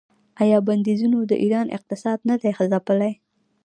آیا بندیزونو د ایران اقتصاد نه دی ځپلی؟